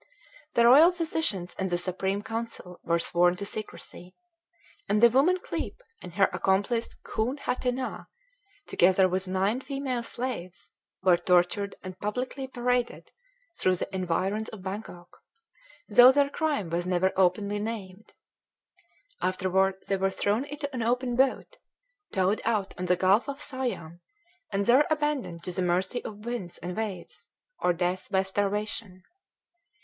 The royal physicians and the Supreme Council were sworn to secrecy; and the woman Kliep, and her accomplice Khoon Hâte nah, together with nine female slaves, were tortured and publicly paraded through the environs of Bangkok, though their crime was never openly named. Afterward they were thrown into an open boat, towed out on the Gulf of Siam, and there abandoned to the mercy of winds and waves, or death by starvation.